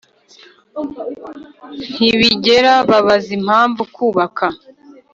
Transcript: ntibigera babaza impamvu kubaka.